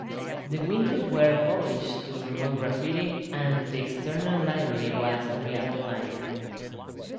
The windows were polished to remove graffiti, and the external livery was re-applied.